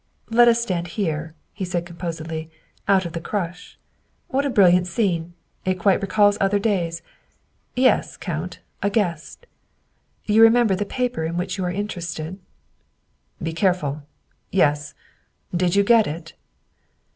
" Let us stand here," he said composedly, " out of the crush. What a brilliant scene! It quite recalls other days. Yes, Count, a guest. You remember the paper in which you are interested?" " Be careful. Yes. Did you get it?"